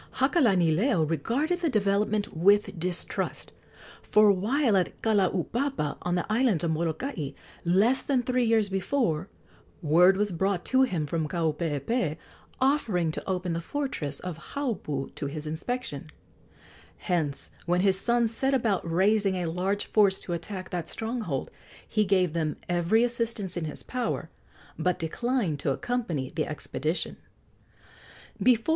Hakalanileo regarded the development with distrust; for while at Kalaupapa, on the island of Molokai, less than three years before, word was brought to him from Kaupeepee, offering to open the fortress of Haupu to his inspection. Hence, when his sons set about raising a large force to attack that stronghold, he gave them every assistance in his power, but declined to accompany the expedition.